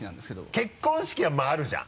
結婚式はまぁあるじゃん